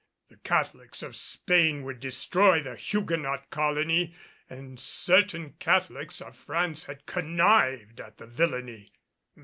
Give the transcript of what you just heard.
The Catholics of Spain would destroy the Huguenot colony and certain Catholics of France had connived at the villainy.